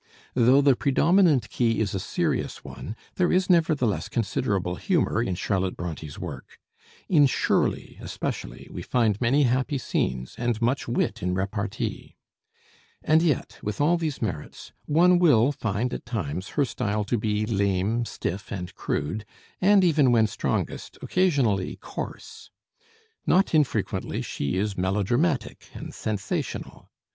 Though the predominant key is a serious one, there is nevertheless considerable humor in Charlotte Bronté's work. In 'Shirley' especially we find many happy scenes, and much wit in repartee. And yet, with all these merits, one will find at times her style to be lame, stiff, and crude, and even when strongest, occasionally coarse. Not infrequently she is melodramatic and sensational.